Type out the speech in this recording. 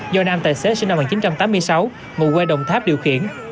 do nam tài xế sinh năm một nghìn chín trăm tám mươi sáu mùa qua đồng tháp điều khiển